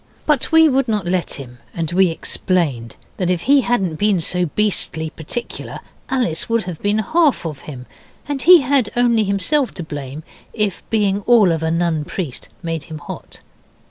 But we would not let him, and we explained that if he hadn't been so beastly particular Alice would have been half of him, and he had only himself to thank if being all of a Nun Priest made him hot.